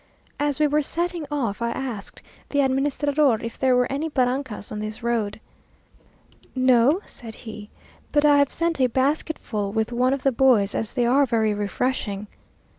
As we were setting off, I asked the administrador if there were any barrancas on this road. "No," said he, "but I have sent a basketful with one of the boys, as they are very refreshing."